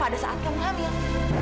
pada saat kamu hamil